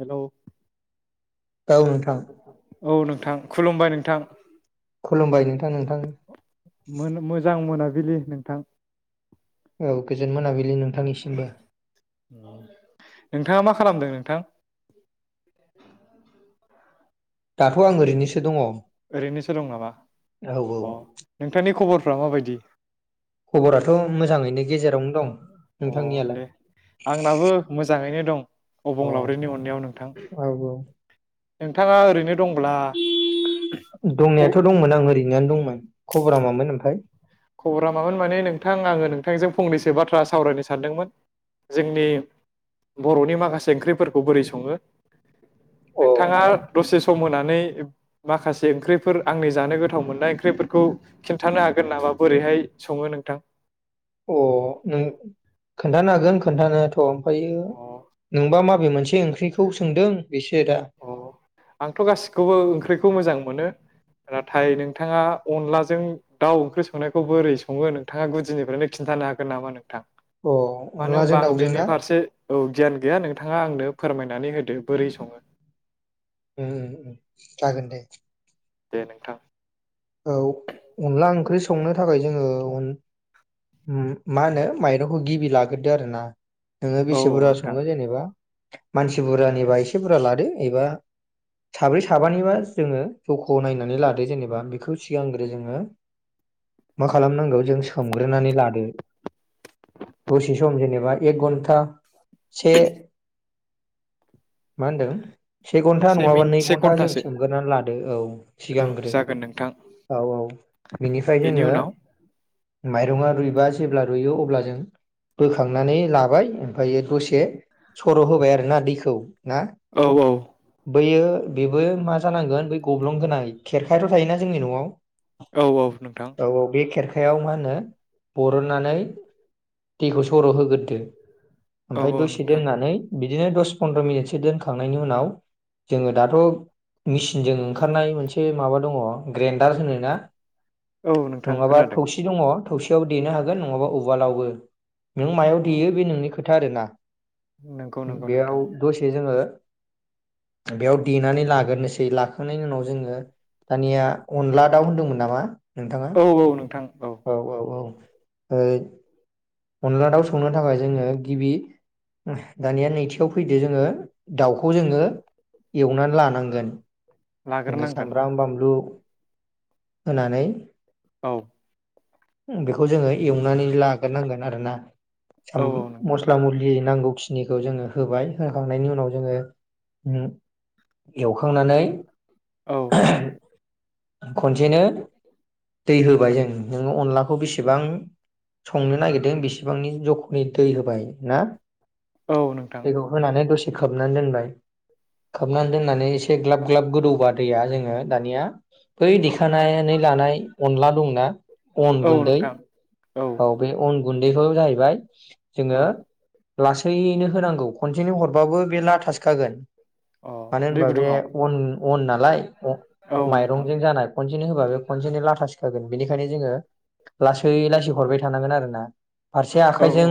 हेल' औ नोंथां [inaudible] औ नोंथां खुलुमबाय नोंथां खुलुमबाय नोंथां नोंथां बिलि नोंथां औ गोजोन मोनाबि नोंथाङा मा खालामदों? नोंथां दाथ' आं ओरैनोसो दङ औ ओरैनोसो दं नामा औ फ्रा माबायदि। खबराथ' [inaudible] मोजाङैनो गेजेरावनो दं अ नोंथांनियालाय दे आंनाबो मोजाङैनो दं अ औ अबंलावरिनि अननायाव नोंथां। औ नोंथाङा ओरैनो दं दंनायाथ' दंमोन आं ओरैनोआनो दंमोन। खब'रा मामोन ओमफ्राय। खब'रा मामोन माने नोंथां आङो नोंथांजों फंनैसो बाथ्रा सावरायनो सानदोंमोन जोंनि बर'नि माखासे ओंख्रिफोरखौ बोरै सङो। अ नोंथाङा दसे सम होनानै माखासे ओंख्रिफोर आंनि जानो गोथाव मोननाय ओंख्रिफोरखौ खिन्थानो हागोन नामा? बोरैहाय सङो नोंथां। अ नों खोन्थानो हाग गोन खोन्थानायाथ'। ओमफ्रायो अ नोंबा मा माबे मोनसे ओंख्रिखौ सोंदों। बेसो दा अ आंथ' गासिखौबो ओंख्रिखौ मोजां मोनो। नाथाय नोंथाङा अनलाजों दाउ ओंख्रि संनायखौ बोरै सङो नोंथाङा गुदिनिफ्रायनो खिन्थानो हागोन नामा नोंथां? अ मानो अनलाजों होनबा आं दाउजों बेनि ना फारसे औ गियान गैया नोंथाङा आंनो फोरमायनानै होदो बोरै सङो। ओं ओं ओं जागोन दे। दे नोंथां। औ अनला ओंख्रि संनो थाखाय जोङो अन मा होनो माइरंखौ गिबि लाग्रोदो आरो ना। नोङो औ बेसे औ बुरजा नोंथां सङो जेनेबा। मानसि बुरजानिबा एसे बुरजा लादो एबा साब्रै साबानिबा जोङो जौखौ नायनानै लादो जेनेबा। खौ सिगांग्रो जोङो मा खालामनांगौ जों सोमग्रोनानै लादो दसे सम जेनेबा एक घन्टा से मा होनदों से घन्टा नङाबा मिन नै से घन्टा जों घन्टासो सोमग्रोनानै लादो औ औ सिगांग्रो। जागोन नोंथां औ औ बिनिफ्राय बेनि जोङो उनाव माइरङा रुइबा जेब्ला रुइयो अब्ला जों बोखांनानै लाबाय ओमफ्रायो दसे सर' होबाय आरो ना दैखौ ना। औ औ। बैयो बेबो मा जानांगोन बै गब्लंगोनाय खेरखायथ' थायोना जोंनि न'आव। औ औ नोंथां। खायाव मा होनो बरननानै दैखौ सर'होग्रोदो। औ ओमफ्राय औ दसे नोंथां दोननानै बि बिदिनो दस पनन्द्र' मिनिटसो दोनखांनायनि उनाव जोङो दाथ' मेचिनजों ओंखारनाय मोनसे माबा दङ। ग्रेन्डार होनो ना। औ नोंथां नङाबा खोनादों थौसि दङ। थौसेयाव देनो हागोन नङाबा उवालावबो। नों मायाव अ देयो बे नोंनि खोथा आरोना नंगौ नंगौ बेयाव नोंथां दसे जोङो बेयाव देनानै लाग्रोनोसै लाखांनायनि उनाव जोङो दानिया अनला दाउ होन्दोंमोन नामा नोंथाङा औ औ नोंथां औ औ औ ओ अनला दाउ संनो थाखाय जोङो गिबि दानिया नैथियाव फैदो जोङो दाउखौ खौ जोङो एवनानै लानांगोन जोङो लाग्रोनांगोन सामब्राम बानलु होनानै औ बेखौ जोङो एवनानै लाग्रोनांगोन आरोना औ औ नोंथां मस्ला मस्लि नांगौखिनिखौ जोङो होबाय होखांनायनि उनाव जोङो एवखांनानै औ नोंथां खनसेनो दै होबाय जों नोङो अनलाखौ बेसेबां संनो नागिरदों बेसेबांनि जख दै होबाय ना औ नोंथां दैखौ होनानै ए खोबनानै दोनबाय खोबनानै दोननानै एसे ग्लाब ग्लाब गोदौबा दैया जोङो दानिया बै देखानानै लानाय अनला दंना अन औ गुन्दै नोंथां औ बे अन गुन्दैखौ जाहैबाय औ जोङो लासैनो होनांगौ कनटिनिउ हरबाबो बे लाथासो खागोन अ मानो दै होनबा बे गुदुङाव अन अन नालाय औ नोंथां माइरंजों जानाय खनसेनो होबा बे खनसेनो लाथासो खागोन बेनिखायनो जोङो लासै लासै हरबाय थानांगोन आरो ना फारसे औ औ आखाइजों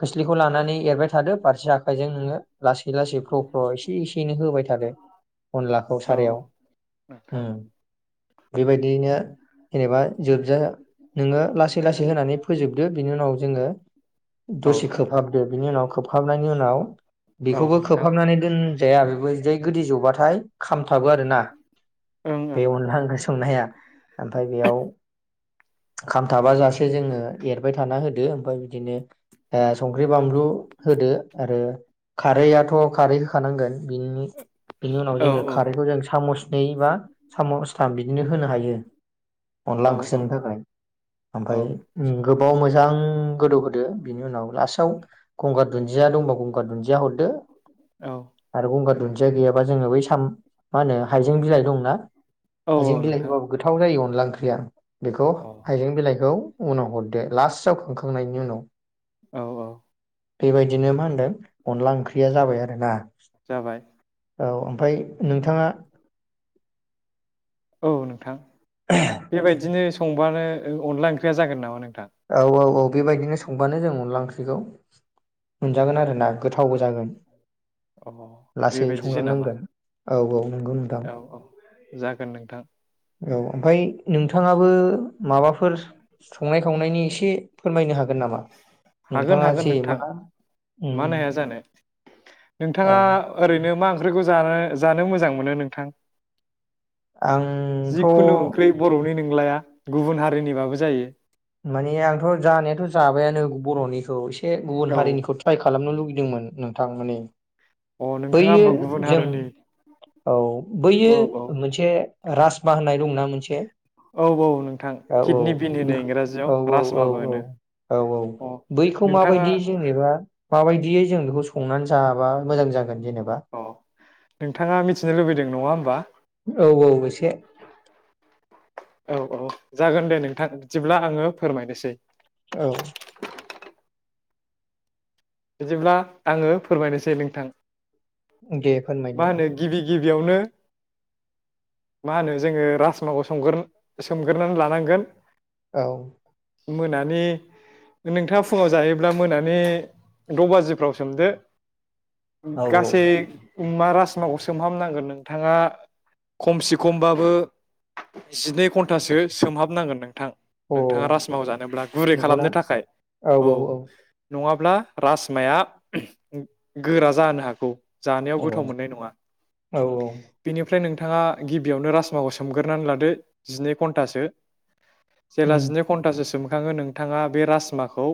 खोस्लि खौ लानानै एरबाय थादो फारसे आखाइजों नोङो लासै लासै फ्र फ्र' एसे एसेनै होबाय थादो अनलाखौ औ सारायाव नोंथां बेबायदियैनो जेनेबा जोबजा नोङो लासै लासै होनानै फोजोबदो बिनि उनाव जोङो औ दसे खोबहाबदो बिनि उनाव खोबहाबनायनि उनाव औ बेखौबो नोंथां खोबहाबनानै दोनजाया बेबो जै गोदि जबाथाय खामथाबो आरोना ओं बे अनला ओंख्रि संनाया ओमफ्राय बेयाव खामथाबा जासे जोङो एरबाय थाना होदो ओमफ्राय बिदिनो संख्रि बानलु होदो आरो खारैआथ' खारै होखानांगोन बेनि उनाव जोङो ओं खारैखौ जों सामस दैबा साम' सथाम बिदिनो होनो हायो अनला औ ओंख्रि सनो थाखाय औ ओमफ्राय गोबाव मोजां गोदौ होदो बिनि उनाव लास्टआव गंगार दुन्दिया दंबा गंगार दुन्दिया हरदो औ आरो गंगार दुन्दिया गैयाबा जोङो बै हाइजें बिलाइ दंना औ हायजें बिलाइ नोंथां होबाबो गोथाव जायो अनला ओंख्रिया बेखौ अ हाइजें बिलाइखौ उनाव हरदो लास्टआव खांखांनायनि उनाव औ औ बेबायदिनो मा होनदों अनला ओंख्रि या जाबाय आरोना। जाबाय औ ओमफाय नोंथाङा औ नोंथां। बेबायदिनो संबानो ओ अनला ओंख्रिया जागोन नामा नोंथ औ औ औ बेबायदिनो संबानो जों अनला ख्रिखौ मोनजागोन आरोना गोथावबो जागोन। अ लासै बेबायदिसो नामा संलांनांगोन औ औ नंगौ नोंथां औ औ जागोन नोंथां औ ओमफाय नोंथाङाबो माबाफोर संनाय संनायनि एसे फोरमायनो हागो हागोन हागोन नोंथां मानो उम हाया जानो औ नोंथाङा ओरैनो मा ओं ख्रैखौ जानो जानो मोजां मोनो नोंथां? आंथ' जिखुनु ओंख्रि बर'नि नंलाया गुबुन हारिनिबाबो जायो। माने आंथ' जानायाथ' जाबायान नो बर'निखौ ए से गुबुन औ हारिनिखौ ट्राय खालामनो लुगै दोंमोन नोंथां माने। अ नोंथाङा बैयो होमबा गुबुन जों हारिनि औ बैयो औ औ मोनसे राजमा होननाय दंना मोनसे। औ औ नोंथां औ औ किडनि बिन होनो बेखौ इंराजि औ औ औ औ औ औ अ बैखौ नोंथाङा माबायदि जेनेबा माबायदियै जों बेखौ संनानै जाबा मोजां जाग अ नोंथाङा मिथिनो लुबैदों नङा होमबा? औ औ एसे। औ औ जागोन दे नोंथां बिदिब्ला आङो फोरमायनोसै। औ बिदिब्ला आङो फोरमायनोसै नोंथां। दे मा फोरमायदो। होनो गिबि गिबियावनो मा होनो जोङो राजमाखौ संगोर सोमगोरनानै लानांगोन। औ मोनानि नोंथाङा फुङाव जायोब्ला मोनानि द' बाजिफ्राव सोमदो औ औ गासै मारास माखौ सोमहाबनांगोन नोंथाङा खमसे खमबाबो जिनै घन्टासो सोमहाबनांगोन नोंथां। अ नोंथाङा राजमाव जानोब्ला गुरै नंगौना खालामनो थाखाय औ। नङाब्ला राजासमाया गोरा जानो हागौ। जानायाव गोथाव औ मोननाय नङा औ बेनिफ्राय नों थाङा गिबियावनो राजमाखौ सोमग्रोनानै लादो जिनै घन्टासो उम जेला जिनै घन्टासोसोम आङो नोंथाङा बे राजमाखौ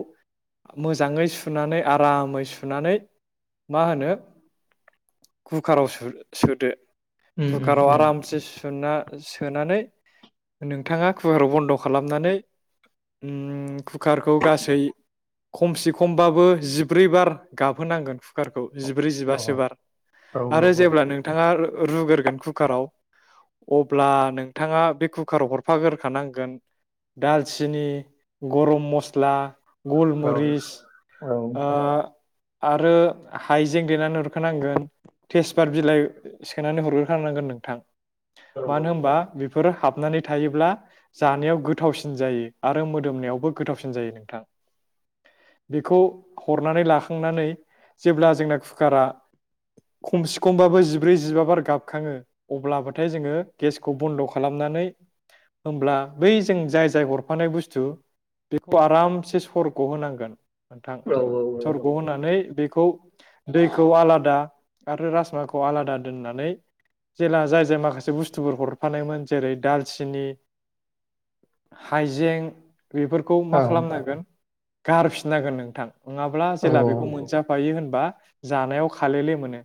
मोजाङै सु उनानै आरामै सुनानै मा होनो कुकाराव सो सोदो उम उम कुकाराव उम आरामसे सुना सोनानै नोंथाङा कुकाराव बन्द' खालामनानै ओम कुकारखौ गासै खमसे खम होमबाबो जिब्रै बार गाबहोनांगोन कुकारखौ। जिब्रै जिबासो अ बार औ औ आरो औ जेब्ला नोंथाङा रुगोरगोन कुकाराव अब्ला नोंथाङा बे कुकाराव हरफागोरखानांगोन दालचिनि गरम मस्ला औ गलमरिस आ। आरो हाइजें देना ला हरखानांगोन तेसपा बिलाइ सोनानै हरगोखानांगोन नोंथां मानो होमबा बेफोरो हाब हनानै थायोब्ला जानायाव गोथावसिन जायो आरो मोदोमनायावबो गोथावसिन जायो नोंथां बेखौ हरनानै लाखांनानै जेब्ला जोंना कुकारा खमसेखमबाबो जिब्रै जिबा बार गाबखाङो अब्लाबथाय जोङो गेसखौ बन्द' खालामनानै ओमब्ला बै जों जाय जाय हरफानाय बुस्थु बेखौ आरामसे सरग' होनांगोन नोथां सरग' होनानै बेखौ दैखौ आलादा आरो राजमाखौ आलादा दोननानै जेला जाय जाय माखासे बुस्थुफोर हरफानायमोन जेरै दालचिनि हाइजें बेफोरखौ मा खालामनांगोन गारफि लागोन नोंथां नङाब्ला जेला बेखौ मोनजाफायो होन बा जानायाव खालेले मोनो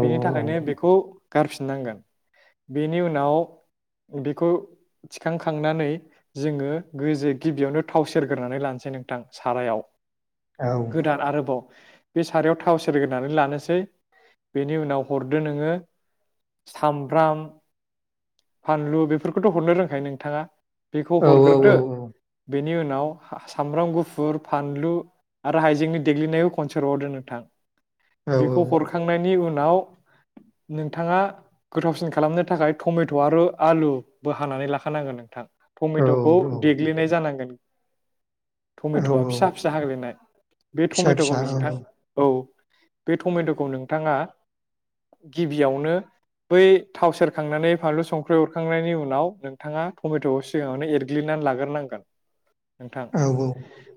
बे थाखायनो बेखौ गारफिननांगोन बेनि उनाव बेखौ थिखांखांनानै जोङो गोजो गिबियावनो थाव सेरगोरनानै लानोसै नोंथां सारायाव गोदान आरोबाव बे सारायाव थाव सेरगोरनानै लानोसै बेनि उनाव हरदो नोङो सामब्राम फानलु बेफोरखौथ' हरनो रोंखायो नोंथाङा बेखौ हरग्रोदो बेनि उनाव सामब्राम गुफ फुर फानलु आरो हाइजेंनि देग्लिनायाव‌ खनसे हरबावदो नोंथां बेखौ हरखांनायनि उन आव नोंथाङा गोथावसिन खालामनो थाखाय टमेट' आरो आलुबो हानानै लाखानांगोन नोंथां। औ टमेट'खौ देग्लिनाय जानांगोन। टमेट'आ औ फिसा फिसा हाग्लिनाय बे फिसा टमेट'खौ फिसा औ नोंथां औ बे टमेट'खौ नोंथाङा गिबियावनो बै थाव सेरखांनानै फानलु संख्रि अरखांनायनि उनाव नोंथाङा टमेट'खौ सिगाङावनो एरग्लिनानै लागोरनांगोन नोंथां औ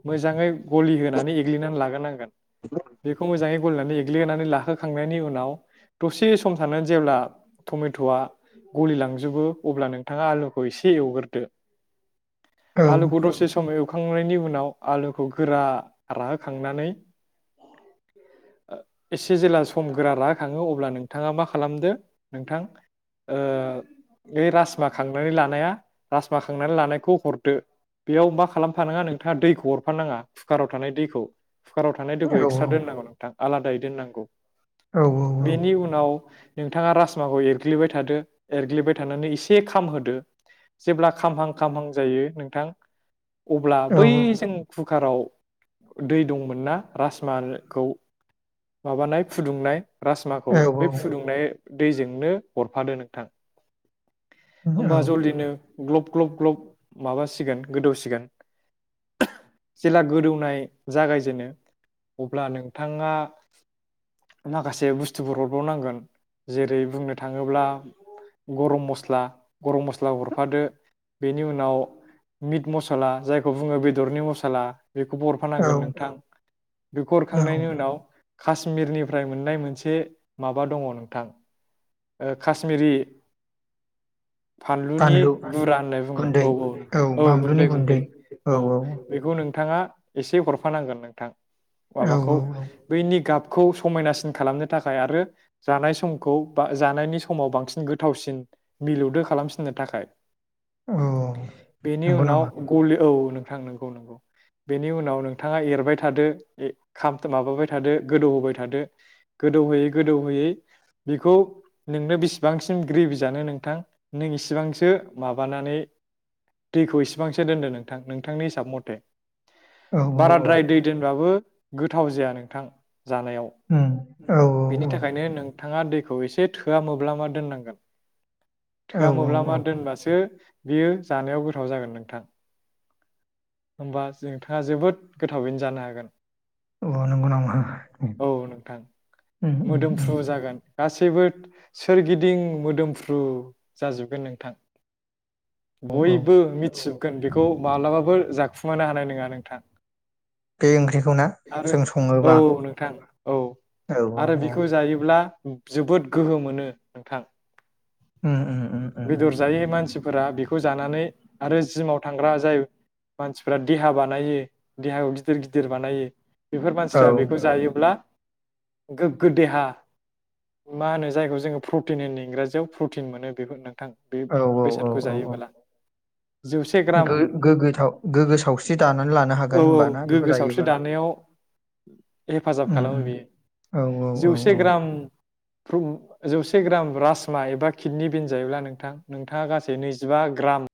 मोजाङै गलि होनानै एग्लिनानै लाग्रोनांगोन बेखौ मोजाङै गलिनानै एग्लिनानै लाहोखांनायनि उनाव दसे सम थानानै जेब्ला टमेट'आ गलिलांजोबो अब्ला नोंथाङा आलुखौ एसे एवग्रोदो औ आलुखौ द'से समयाव एवखांनायनि उनाव आलुखौ गोरा राहो खांनानै एसे जेला सम गोरा राहो खाङो अब्ला नोंथाङा मा खालामदो नोंथां ओ बै राजमा खांनानै लानाया राजमा खांनानै लानायखौ हरदो बेयाव मा खालाम फानाङा नोंथाङा दैखौ हरफानाङा कुकाराव थानाय दैखौ कुकाराव थानाय दैखौ औ एक्सट्रा दोननांगौ नोंथां। आलादायै दोननांगौ औ बेनि उनाव नोंथाङा राजमाखौ एरग्लिबाय थादो एरग्लिबाय थानानै एसे खाम होदो जेब्ला खामहां खामहां जायो नोंथां अब्ला बै औ जों कु काराव दै दंमोन ना राजमाखौ माबानाय फुदुंनाय राजमाखौ बे फुदुंनाय दैजोंनो हरफादो नोंथां होमबा जलदिनो ग्लब ग्लब ग्लब माबासिगोन गोदौसिगोन [unintelligible] जेला गोदौनाय जागायजेनो अब्ला नोंथाङा माखासे बुस्थुफोर हरबावनांगोन जेरै- बुंनो थाङोब्ला गरम मस्ला गरम मस्ला हरफादो बेनि उनाव मिट मसला जायखौ बुङो बेदरनि मसला बेखौबो हरफानांगोन नोंथां बेखौ हरखांनायनि उनाव काश्मिरनिफ्राय मोननाय मोनसे माबा दङ नोंथां ओ काश्मिरि फानलुनि बानलु बुरा होनना बुङो औ गुन्दै औ नोंथां औ गुन्दै गुन्दै औ बेखौनो नोंथाङा एसे हरफानांगोन नोंथां औ माबाखौ औ बैनि गाब खौ समायनासिन खालामनो थाखाय आरो जानाय समखौ बा जानायनि समाव बांसिन गोथावसिन मिलौदो खालामफिननो थाखाय औ बेनि नंगौ उनाव नामा औ नोंथां नोंगौ नोंगौ बेनि उनाव नोंथाङा एरबाय थादो माबाबाय थादो गोदौ होबाय थादो गोदौहोयै गोदौहोयै बेखौ नोंनो बेसिबांसिम ग्रेभि जानो नोंथां नों इसेबांसो माबानानै दैखौ इसेबां सो दोनदो नोंथां नोंथांनि हिसाब मथे। औ औ औ बाराद्राय दै दोनबाबो गोथाव जाया नोंथां। जानायाव उम औ बेनि थाखायनो नों नोंथाङा दैखौ एसे थोआ मोब्लामा मा दोननांगोन। औ थोआ औ मोब्ला मा औ दोनबासो बियो जानायाव गोथाव जागोन नोंथां। होनबा नोंथाङा जोबोद गोथावैनो जानो हागोन। अ नंगौ नामा औ नोंथां उम उम उम। मोदोमफ्रु जागोन गासैबो सोरगिदिं मोदोमफ्रु जाजोबगोन नोंथां। औ औ बयबो मिथिब बेखौ माब्लाबाबो जाखुमानो हानाय नङा नोंथां। बे ओंख्रिखौ ना आरो जों सङोबा औ नोंथां औ औ औ आरो औ बेखौ जायोब्ला जोबोद गोहो मोनो नोंथां। उम उम उम उम उम बेदर जायै मानसिफोरा बेखौ खौ जानानै आरो जिमाव थांग्रा जाय मानसिफ्रा देहा बानायो देहाखौ गिदिर गिदिर बानायो। बेफोर औ मानसिफ्रा बेखौ जायोब्ला गोग्गो देहा मा होनो जायखौ जोङो प्रटिन होनो इंगराजियाव प्रटिन मोनो बेखौ नों थां बे औ औ बेसादखौ औ औ जायोबोला। जौसे ग्राम गो गोग्गो था सावस्रि दानानै लानो औ हागोन होमबाना बेखौ गोग्गो सावस्रि जायोबा दानायाव हेफाजाब उम खालामो उम बियो औ औ औ औ। फ्रु जौसे ग्राम राजमा एबा किडनि बेन जायोब्ला नोंथां नोंथाङा गासै नैजिबा ग्राम